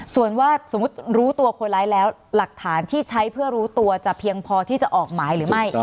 ส่วนว่าสมมุติรู้ตัวคนร้ายแล้วหลักฐานที่ใช้เพื่อรู้ตัวจะเพียงพอที่จะออกหมายหรือไม่